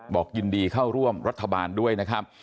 บอกยินดีเข้าร่วมรัฐบาลด้วยนะครับ